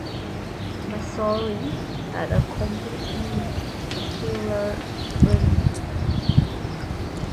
Messori had a completely secular upbringing.